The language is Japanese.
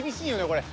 これ。